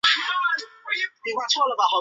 元明宗次子。